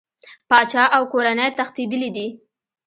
پاچا او کورنۍ تښتېدلي دي.